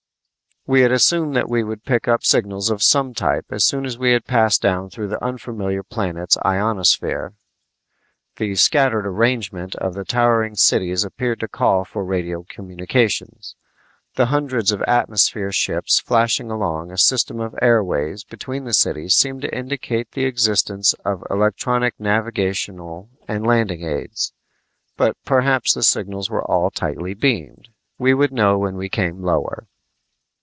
We had assumed that we would pick up signals of some type as soon as we had passed down through the unfamiliar planet's ionosphere. The scattered arrangement of the towering cities appeared to call for radio communications. The hundreds of atmosphere ships flashing along a system of airways between the cities seemed to indicate the existence of electronic navigational and landing aids. But perhaps the signals were all tightly beamed; we would know when we came lower.